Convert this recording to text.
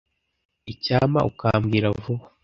Icyampa ukambwira vuba.